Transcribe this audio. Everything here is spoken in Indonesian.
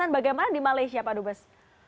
bagaimana di malaysia pak dubes